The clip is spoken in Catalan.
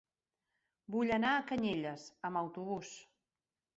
Vull anar a Canyelles amb autobús.